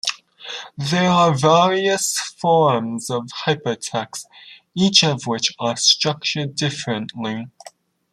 There are various forms of hypertext, each of which are structured differently.